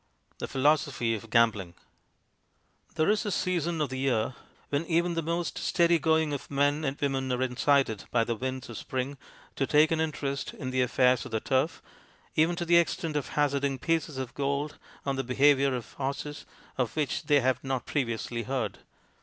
XXIV THE PHILOSOPHY OF GAMBLING THERE is a season of the year when even the most steady going of men and women are incited by the winds of spring to take an interest in the affairs of the Turf, even to the extent of hazarding pieces of gold on the behaviour of horses of which they have not previously heard.